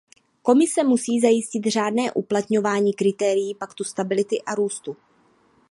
Komise musí zajistit řádné uplatňování kritérií Paktu stability a růstu.